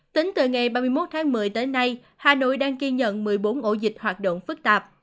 tính từ ngày ba mươi một tháng một mươi tới nay hà nội đang ghi nhận một mươi bốn ổ dịch hoạt động phức tạp